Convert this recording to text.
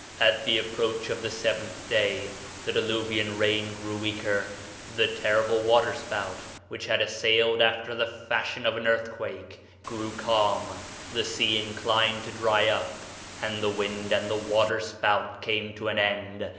At the approach of the seventh day the diluvian rain grew weaker, the terrible water spout which had assailed after the fashion of an earthquake grew calm, the sea inclined to dry up, and the wind and the water spout came to an end.